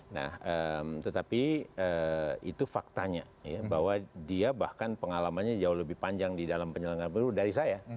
nah tetapi itu faktanya ya bahwa dia bahkan pengalamannya jauh lebih panjang di dalam penyelenggaran pemilu dari saya